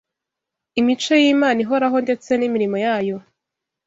Imico y’Imana ihoraho ndetse n’imirimo yayo